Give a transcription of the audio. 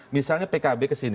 misalnya pkb kesini